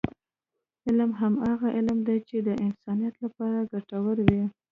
علم هماغه علم دی، چې د انسانیت لپاره ګټور وي.